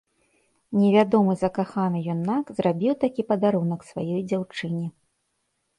Невядомы закаханы юнак зрабіў такі падарунак сваёй дзяўчыне.